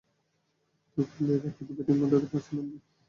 তবে ফিরলেও এবার হয়তো ব্যাটিং অর্ডারে পাঁচে নামিয়ে আনা হবে ব্যালান্সকে।